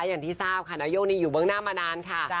อย่างที่ทราบค่ะนายกนี้อยู่เบื้องหน้ามานานค่ะ